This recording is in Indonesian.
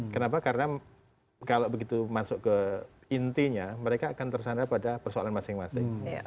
kenapa karena kalau begitu masuk ke intinya mereka akan tersandar pada persoalan masing masing